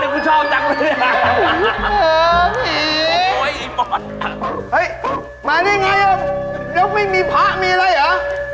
เฮ้ยแหมนี่ไงล่ะแล้วไม่มีพระมีอะไรเหรอ